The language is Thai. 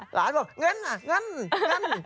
หลานบอกเงินอะเงินเงิน